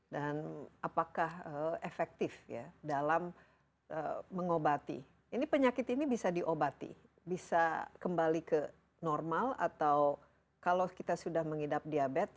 dan apakah efektif ya dalam mengobati ini penyakit ini bisa diobati bisa kembali ke normal atau kalau kita sudah mengidap diabetes